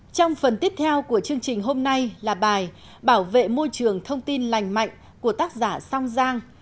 trong phần tiếp theo của chương trình hôm nay là bài bảo vệ môi trường thông tin lành mạnh của tác giả song giang